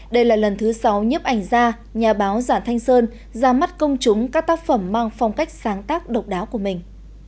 đây là lần thứ sáu nhếp ảnh ra nhà báo giản thanh sơn ra mắt công chúng các tác phẩm mang phong cách sáng tác độc đáo của mình